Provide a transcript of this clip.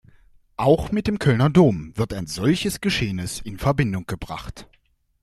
Auch mit dem Kölner Dom wird ein solches Geschehnis in Verbindung gebracht.